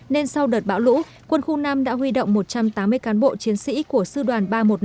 nên sau đợt bão lũ quân khu năm đã huy động một trăm tám mươi cán bộ chiến sĩ của sư đoàn ba trăm một mươi năm